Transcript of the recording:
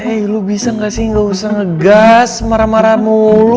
eh lu bisa nggak sih nggak usah ngegas marah marah mulu